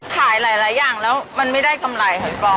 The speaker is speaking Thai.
ขายหลายอย่างแล้วมันไม่ได้กำไรค่ะพี่ปอ